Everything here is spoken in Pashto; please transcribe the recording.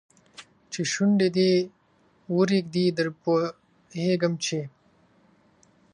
چې شونډي دې ورېږدي در پوهېږم چې